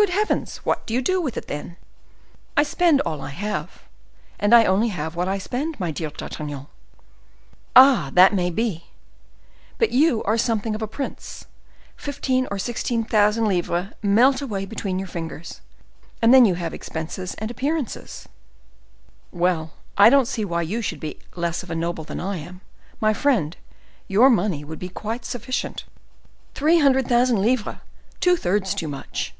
"Good heavens! what do you do with it, then?" "I spend all I have, and I only have what I spend, my dear D'Artagnan." "Ah! that may be. But you are something of a prince; fifteen or sixteen thousand livres melt away between your fingers; and then you have expenses and appearances—" "Well, I don't see why you should be less of a noble than I am, my friend; your money would be quite sufficient." "Three hundred thousand livres! Two thirds too much!"